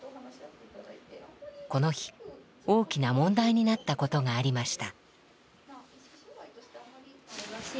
この日大きな問題になったことがありました。